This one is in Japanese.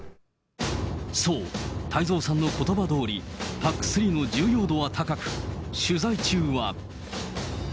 そう、太蔵さんのことばどおり、ＰＡＣ３の重要度は高く、取材中は。